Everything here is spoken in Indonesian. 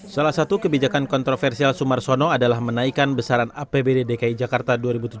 salah satu kebijakan kontroversial sumarsono adalah menaikkan besaran apbd dki jakarta dua ribu tujuh belas